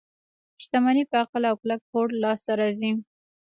شتمني په عقل او کلک هوډ لاس ته راځي.